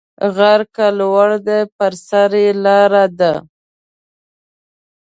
غر که لوړ دی پر سر یې لار ده